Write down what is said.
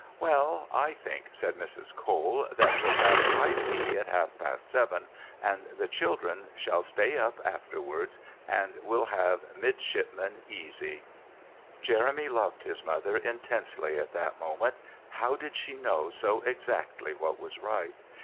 "Well, I think," said Mrs. Cole, "that we'll have high tea at half past seven, and the children shall stay up afterwards and we'll have 'Midshipman Easy.'" Jeremy loved his mother intensely at that moment. How did she know so exactly what was right?